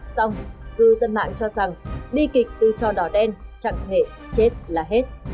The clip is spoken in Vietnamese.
xong cư dân mạng cho rằng bi kịch từ trò đỏ đen chẳng thể chết là hết